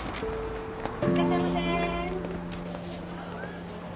いらっしゃいませ。